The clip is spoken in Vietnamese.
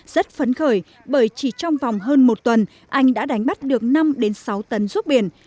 rất phấn khởi bởi chỉ trong vòng hơn một tuần anh đã đánh bắt được năm sáu tấn ruốc biển